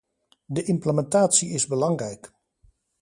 De implementatie is belangrijk.